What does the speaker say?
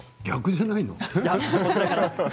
逆じゃないの？